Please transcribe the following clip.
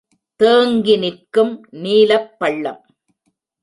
தேங்கிநிற்கும் நீலப் பள்ளம்.